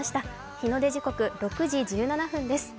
日の出時刻６時１７分です。